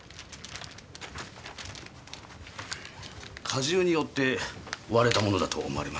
荷重によって割れたものだと思われます。